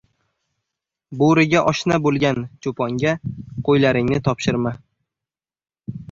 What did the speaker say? • Bo‘riga oshna bo‘lgan cho‘ponga qo‘ylaringni topshirma.